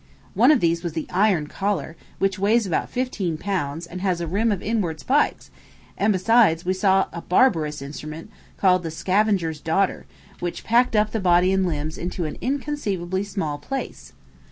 One of these was the Iron Collar, which weighs about fifteen pounds, and has a rim of inward spikes; and besides, we saw a barbarous instrument, called the Scavenger's Daughter, which packed up the body and limbs into an inconceivably small space.